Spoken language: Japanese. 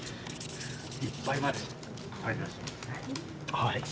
はい。